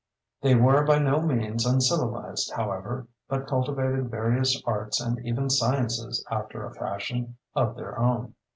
They were by no means uncivilized, however, but cultivated various arts and even sciences after a fashion of their own.